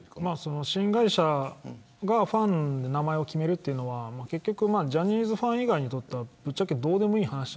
新会社がファンの名前を決めるというのはジャニーズファン以外にとってはぶっちゃけどうでもいい話。